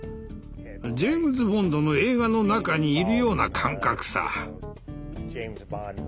ジェームズ・ボンドの映画の中にいるような感覚さ。